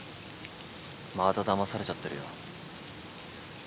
まただまされちゃってるよ。